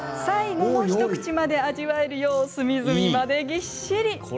最後の一口まで味わえるよう隅々までぎっしり！